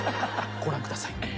ご覧ください。